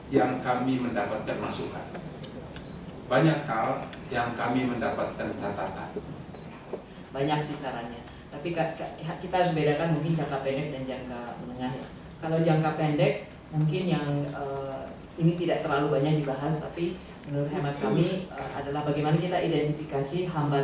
yang bisa dipermudah atau difasilitasi